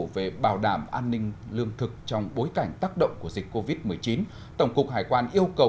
về bảo đảm an ninh lương thực trong bối cảnh tác động của dịch covid một mươi chín tổng cục hải quan yêu cầu